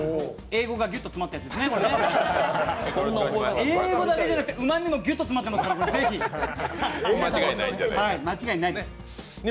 英語だけじゃなくてうまみもギュッと詰まっていますので、間違いない、ぜひ。